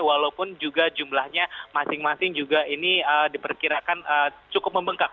walaupun juga jumlahnya masing masing juga ini diperkirakan cukup membengkak